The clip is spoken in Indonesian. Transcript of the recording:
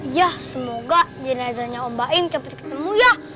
ya semoga jenazanya om baim cepet ketemu ya